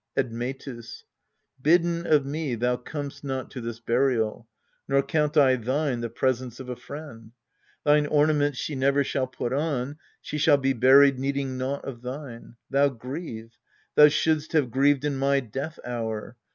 Admetus. Bidden of me thou com'st not to this burial, Nor count I thine the presence of a friend. Thine ornaments she never shall put on ; She shall be buried needing naught of thine. Thou grieve ! thou shouldst have grieved in my death hour